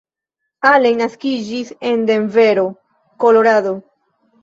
Allen naskiĝis en Denvero, Kolorado.